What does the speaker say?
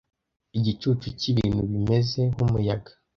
Igicucu cyibintu bimeze nkumuyaga,